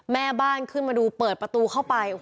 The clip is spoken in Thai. แม่บ้านขึ้นมาดูเปิดประตูเข้าไป